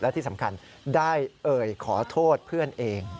และที่สำคัญได้เอ่ยขอโทษเพื่อนเอง